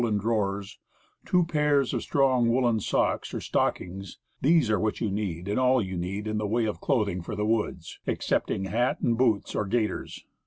5 woolen drawers; two pairs of strong woolen socks or stockings; these are what you need, and all you need in the way of clothing for the woods, excepting hat and boots, or gaiters.